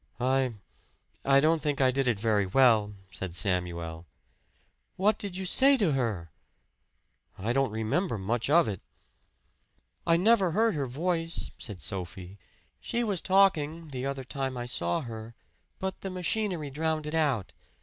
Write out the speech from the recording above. "I I don't think I did it very well," said Samuel. "What did you say to her?" "I don't remember much of it." "I never heard her voice," said Sophie. "She was talking, the other time I saw her, but the machinery drowned it out.